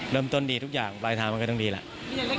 เริ่มต้นดีทุกอย่างปลายทางมันก็ต้องดีแล้ว